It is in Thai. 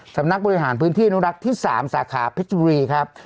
สำนักบริหารพื้นที่อนุรักษ์ที่๓สาขาเพชรบุรีครับ